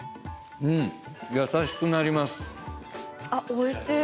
おいしい！